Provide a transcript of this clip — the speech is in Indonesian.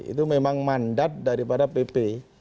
itu memang mandat daripada pp delapan belas dua ribu sembilan belas